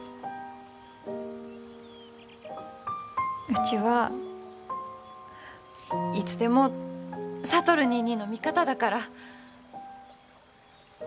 うちはいつでも智ニーニーの味方だから。